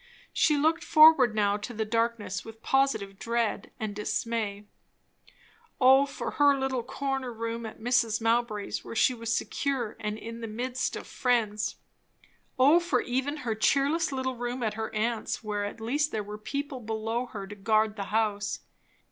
She looked forward now to the darkness with positive dread and dismay. O for her little corner room at Mrs. Mowbray's, where she was secure, and in the midst of friends! O for even her cheerless little room at her aunt's, where at least there were people below her to guard the house!